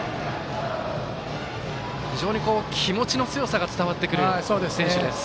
非常に気持ちの強さが伝わってくる選手です。